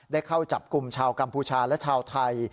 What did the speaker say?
เข้าจับกลุ่มชาวกัมพูชาและชาวไทย